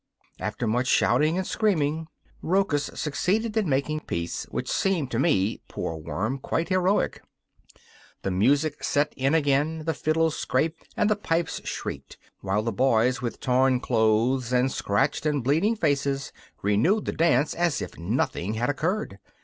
After much shouting and screaming, Rochus succeeded in making peace, which seemed to me, poor worm, quite heroic. The music set in again: the fiddles scraped and the pipes shrieked, while the boys with torn clothes and scratched and bleeding faces, renewed the dance as if nothing had occurred.